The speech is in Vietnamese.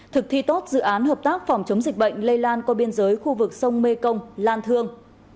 thực thi tốt dự án hợp tác phòng chống dịch bệnh lây lan qua biên giới khu vực sông mê công lan thương